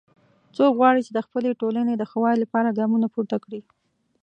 څوک غواړي چې د خپلې ټولنې د ښه والي لپاره ګامونه پورته کړي